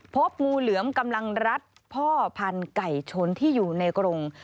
พบงูเหลือมกำลังรัดพ่อพันธุ์ไก่ชนที่อยู่ในกรง